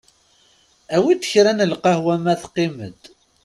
Awi-d kra n lqahwa ma teqqim-d.